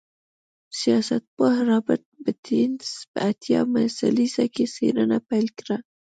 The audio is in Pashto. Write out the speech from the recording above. سیاستپوه رابرټ بېټس په اتیا مه لسیزه کې څېړنه پیل کړه.